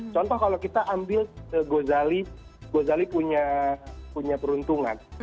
contoh kalau kita ambil gozali gozali punya peruntungan